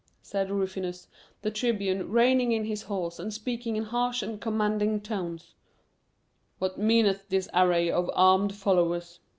said Rufinus, the tribune, reining in his horse and speaking in harsh and commanding tones, "what meaneth this array of armed followers?"